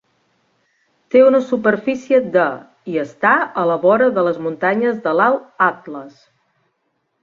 Té una superfície de i està a la vora de les muntanyes de l'Alt Atles.